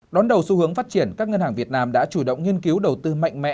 đón đầu xu hướng phát triển các ngân hàng việt nam đã chủ động nghiên cứu đầu tư mạnh mẽ